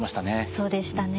そうでしたね。